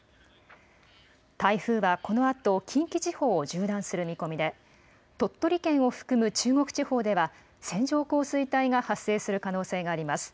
台風はこのあと近畿地方を縦断する見込みで、鳥取県を含む中国地方では、線状降水帯が発生する可能性があります。